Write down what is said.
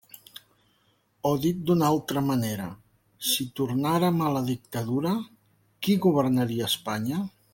O dit d'una altra manera, si tornàrem a la dictadura, ¿qui governaria a Espanya?